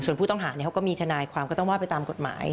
ส่วนผู้ต้องหาเขาก็มีทนายความก็ต้องว่าไปตามกฎหมาย